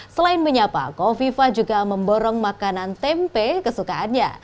selain menyapa kofifa juga memborong makanan tempe kesukaannya